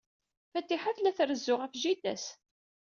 Fatiḥa tella trezzu ɣef jida-s.